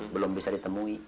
belum bisa ditemui